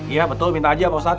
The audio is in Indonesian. iya betul minta aja pak ustad